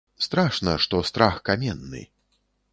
Страшна, што страх каменны.